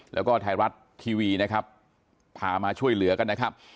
แล้วก็ไทยรัฐทีวีนะครับพามาช่วยเหลือกันนะครับ